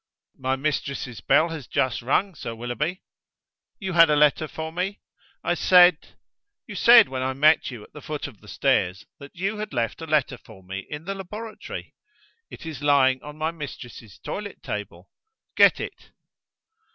"My mistress's bell has just rung, Sir Willoughby." "You had a letter for me." "I said ..." "You said when I met you at the foot of the stairs that you had left a letter for me in the laboratory." "It is lying on my mistress's toilet table." "Get it."